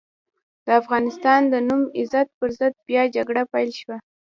د افغانستان د نوي عزم پر ضد بيا جګړه پيل شوه.